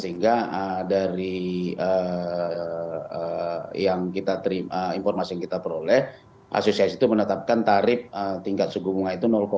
sehingga dari informasi yang kita peroleh asosiasi itu menetapkan tarif tingkat suku bunga itu